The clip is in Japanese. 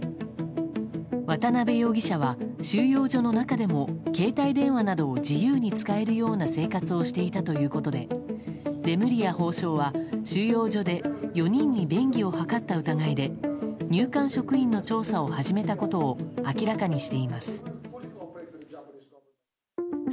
渡辺容疑者は収容所の中でも携帯電話などを自由に使えるような生活をしていたということでレムリヤ法相は収容所で４人に便宜を図った疑いで入管職員の調査を始めたことを明らかにしています。